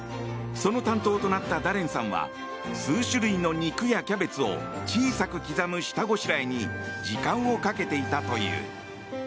その担当となったダレンさんは数種類の肉やキャベツを小さく刻む下ごしらえに時間をかけていたという。